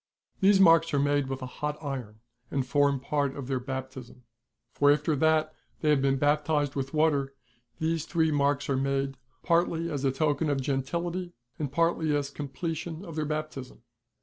These marks are made with a hot iron, and form part of their baptism ; for after that they have been baptised with water, these three marks are made, partly as a token of gentility, and partly as the completion of their baptism.